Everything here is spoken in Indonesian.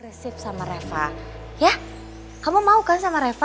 resip sama reva ya kamu mau kan sama reva